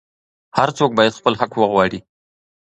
هر څوک باید خپل حق وغواړي.